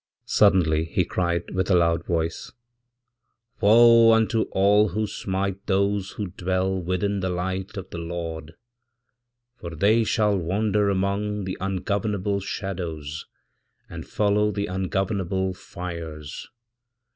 Suddenly hecried with a loud voice, 'Woe unto all who smite those who dwellwithin the Light of the Lord, for they shall wander among theungovernable shadows, and follow the ungovernable fires!'